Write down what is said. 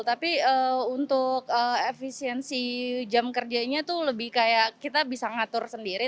tapi untuk efisiensi jam kerjanya tuh lebih kayak kita bisa ngatur sendiri